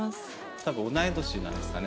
多分同い年なんですかね。